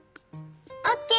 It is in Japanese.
オッケー！